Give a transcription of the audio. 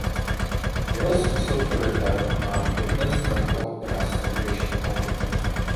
Jeho smysl pro detail nám dodnes zachoval obraz tehdejší módy.